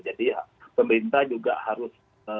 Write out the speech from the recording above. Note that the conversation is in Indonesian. jadi pemerintah juga harus